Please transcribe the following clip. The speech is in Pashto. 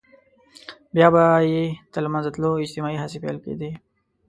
بيا به يې د له منځه تلو اجتماعي هڅې پيل کېدې.